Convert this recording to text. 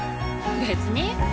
別に。